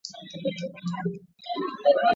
El chocolate no me llama en absoluto.